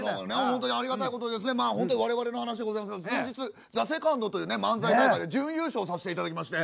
まあほんと我々の話でございますが先日「ＴＨＥＳＥＣＯＮＤ」という漫才大会で準優勝させて頂きまして。